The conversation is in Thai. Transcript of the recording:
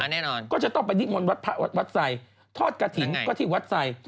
อ่าแน่นอนก็จะต้องไปดิ๊กมนต์วัดไสทอดกาถิงก็ที่วัดไส